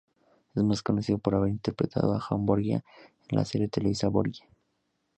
Es más conocido por haber interpretado a Juan Borgia en la serie televisiva "Borgia".